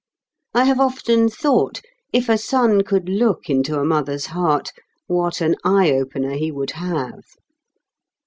I have often thought: If a son could look into a mother's heart, what an eye opener he would have!